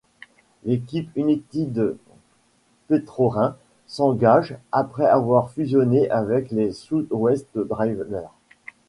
L'équipe d'United Petrorin s'engage, après avoir fusionné avec les South West Drillers.